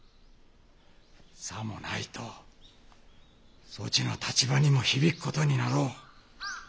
さもないとそちの立場にも響く事になろう。